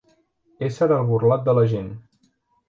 Ésser el burlot de la gent.